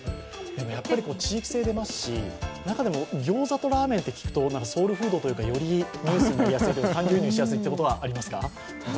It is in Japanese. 地域性が出ますし、中でもギョーザとラーメンと聞くとソウルフードというかよりニュースになりやすいというか感情移入しやすいというのがありますか。